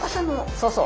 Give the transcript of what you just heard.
そうそう。